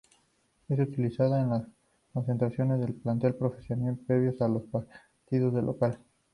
Es utilizado en las concentraciones del plantel profesional previo a los partidos de local.